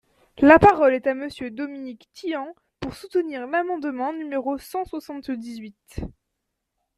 La parole est à Monsieur Dominique Tian, pour soutenir l’amendement numéro cent soixante-dix-huit.